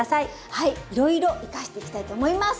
はいいろいろ生かしていきたいと思います。